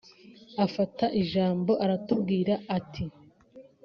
afata ijambo aratubwira ati